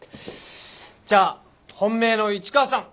じゃあ本命の市川さん